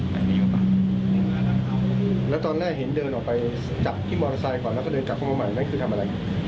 แล้วตอนแรกเห็นเดินออกไปจับที่มอเตอร์ไซค์ก่อนแล้วก็เดินกลับมาใหม่นั่นคือทำอะไร